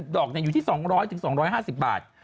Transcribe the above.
ดอกอยู่ที่๒๐๐๒๕๐บาท